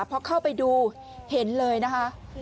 พอเข้าไปดูเห็นเลยนะคะ